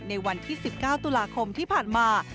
ในวันที่๑๙ตุลาคมที่ผ่านมา